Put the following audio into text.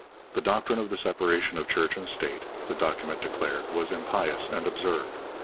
The doctrine of the separation of church and state, the document declared, was impious and absurd.